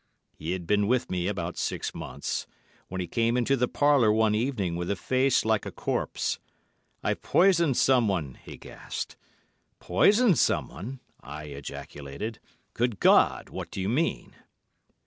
He had been with me about six months, when he came into the parlour one evening with a face like a corpse. 'I've poisoned someone,' he gasped. 'Poisoned someone?' I ejaculated. 'Good God, what do you mean?